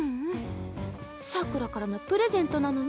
サクラからのプレゼントなのに。